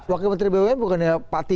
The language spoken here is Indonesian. wakil menteri bumn bukan ya pak tiko